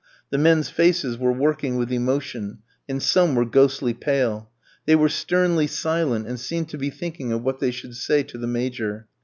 The men's faces were working with emotion, and some were ghostly pale. They were sternly silent, and seemed to be thinking of what they should say to the Major.